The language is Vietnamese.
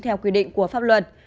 theo quy định của pháp luật